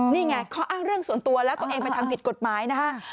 นี่ไงข้ออ้างเรื่องส่วนตัวแล้วตัวเองไปทำผิดกฎหมายนะฮะ